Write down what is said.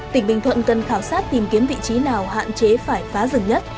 tỉnh bình thuận cần khảo sát tìm kiếm vị trí nào hạn chế phải phá rừng nhất